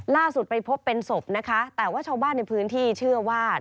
ไปพบเป็นศพนะคะแต่ว่าชาวบ้านในพื้นที่เชื่อว่า